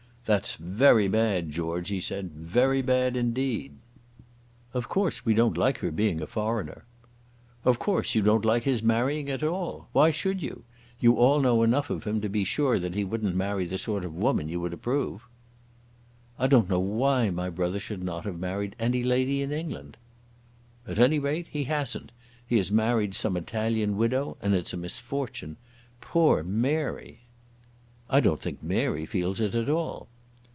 "That's very bad, George," he said; "very bad indeed!" "Of course we don't like her being a foreigner." "Of course you don't like his marrying at all. Why should you? You all know enough of him to be sure that he wouldn't marry the sort of woman you would approve." "I don't know why my brother should not have married any lady in England." "At any rate he hasn't. He has married some Italian widow, and it's a misfortune. Poor Mary!" "I don't think Mary feels it at all."